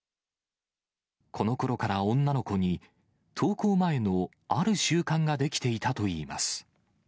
このころから女の子に、登校前のある習慣が出来ていたといいます。